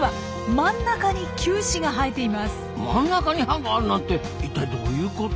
真ん中に歯があるなんて一体どういうこと？